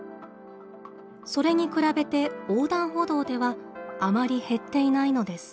それに比べて横断歩道ではあまり減っていないのです。